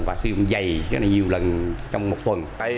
và sử dụng dày nhiều lần trong một tuần